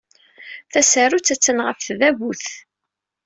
Tasarut attan ɣef tdabut.